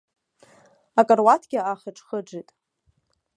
Икаруаҭгьы аахыџ-хыџит.